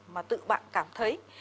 mà tự bạn cảm thấy